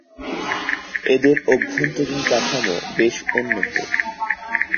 এদের অভ্যন্তরীণ কাঠামো বেশ উন্নত।